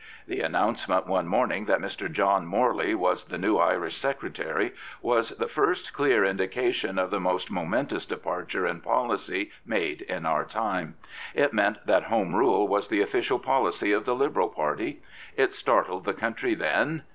The announcement one morning that Mr. John Morley was the new Irish Secretary was the first clear indication of the most momentous departure in policy made in our time. It meant that Home Rule was the official policy of the Liberal Party. It startled the country then.